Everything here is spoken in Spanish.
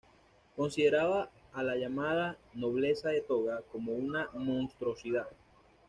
Consideraba a la llamada "nobleza de toga" como una monstruosidad.